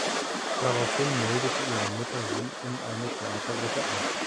Daraufhin meldete ihre Mutter sie in eine Theatergruppe an.